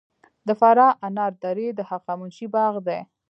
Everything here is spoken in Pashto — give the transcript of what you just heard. د فراه انار درې د هخامنشي باغ دی